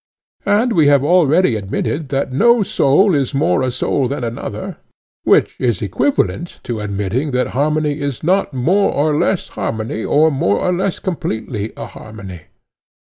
And we have already admitted that no soul is more a soul than another; which is equivalent to admitting that harmony is not more or less harmony, or more or less completely a harmony?